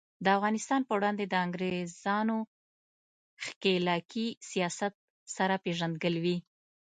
د افغانستان په وړاندې د انګریزانو ښکیلاکي سیاست سره پیژندګلوي.